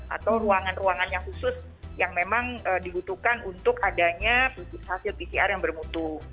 atau ruangan ruangan yang khusus yang memang dibutuhkan untuk adanya hasil pcr yang bermutu